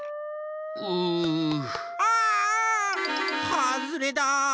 はずれだ！